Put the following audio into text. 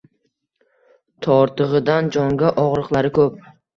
Tortig’idan jonga og’riqlari ko’p